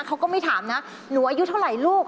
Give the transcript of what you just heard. เขาก็ไม่ถามนะหนูอายุเท่าไหร่ลูก